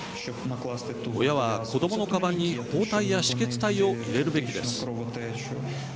親は子どものかばんに包帯や止血帯を入れるべきです。